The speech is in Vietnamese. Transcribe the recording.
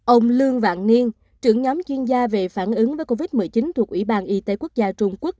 ông lương vạn niên trưởng nhóm chuyên gia về phản ứng với covid một mươi chín thuộc ủy ban y tế quốc gia trung quốc